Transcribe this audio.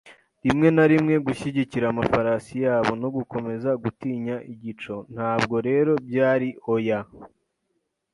rimwe na rimwe gushyigikira, amafarasi yabo, no gukomeza gutinya igico; ntabwo rero byari oya